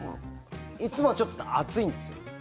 いつもはちょっと暑いんですよ。